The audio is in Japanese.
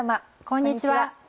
こんにちは。